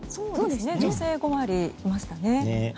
女性５割いましたね。